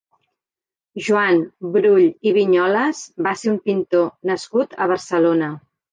Joan Brull i Vinyoles va ser un pintor nascut a Barcelona.